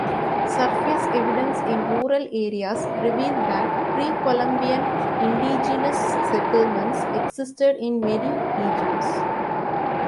Surface evidence in rural areas reveal that pre-Columbian indigenous settlements existed in many regions.